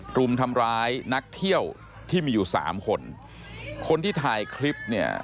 รุมทำร้ายนักเที่ยวที่มีอยู่สามคนคนที่ถ่ายคลิปเนี่ย